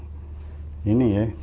pdip dan pks